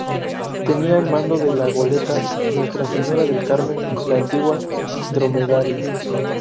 Tenía el mando de la goleta "Nuestra Señora del Carmen", la antigua "Dromedario".